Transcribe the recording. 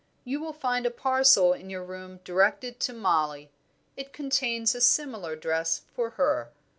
You will find a parcel in your room directed to Mollie; it contains a similar dress for her."